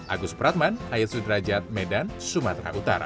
agus pratman ayat sudrajat medan sumatera utara